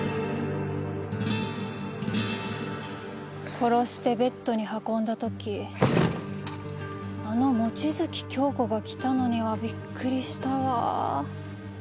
殺してベッドに運んだ時あの望月京子が来たのにはびっくりしたわ。